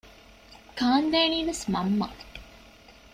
ކާންދެނީވެސް މަންމަ